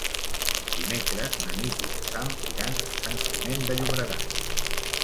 Dimecres na Nit i en Sam iran a Sant Climent de Llobregat.